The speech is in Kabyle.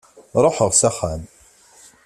Ruḥeɣ s axxam.